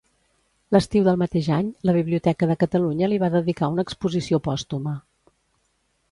L'estiu del mateix any la Biblioteca de Catalunya li va dedicar una exposició pòstuma.